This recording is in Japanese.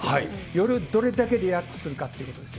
夜どれだけリラックスするかっていうところです。